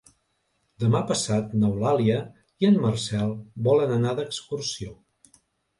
Demà passat n'Eulàlia i en Marcel volen anar d'excursió.